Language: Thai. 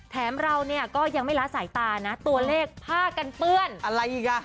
แถมเราเนี่ยก็ยังไม่ละสายตานะตัวเลขผ้ากันเปื้อนอะไรอีกอ่ะ